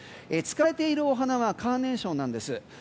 使われているお花はカーネーションなんです。